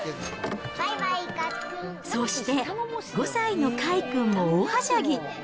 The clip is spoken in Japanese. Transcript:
そして、５歳のかいくんも大はしゃぎ。